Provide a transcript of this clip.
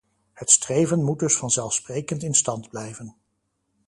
Het streven moet dus vanzelfsprekend in stand blijven.